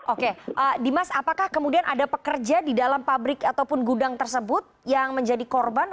oke dimas apakah kemudian ada pekerja di dalam pabrik ataupun gudang tersebut yang menjadi korban